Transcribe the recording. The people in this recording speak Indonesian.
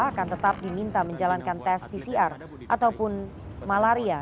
akan tetap diminta menjalankan tes pcr ataupun malaria